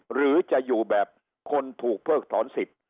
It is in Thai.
หรือจะอยู่แบบคนถูกเพิกถอนสิทธิ์